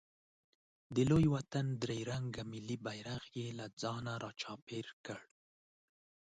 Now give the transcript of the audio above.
د لوی وطن درې رنګه ملي بیرغ یې له ځانه راچاپېر کړ.